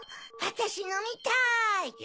わたしのみたい！